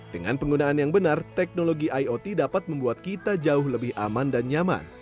dengan penggunaan yang benar teknologi iot dapat membuat kita jauh lebih aman dan nyaman